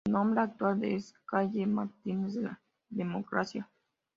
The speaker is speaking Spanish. El nombre actual es Calle Mártires de la Democracia.